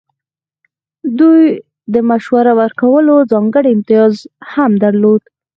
دوی د مشوره ورکولو ځانګړی امتیاز هم درلود.